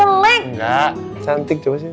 enggak cantik coba sih